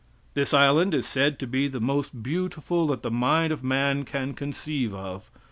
This island is said to be the most beautiful that the mind of man can conceive of.